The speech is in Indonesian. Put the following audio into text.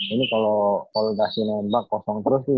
ini kalo kasih nembak kosong terus sih